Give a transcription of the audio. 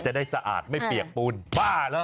จะได้สะอาดไม่เปียกปูนบ้าเหรอ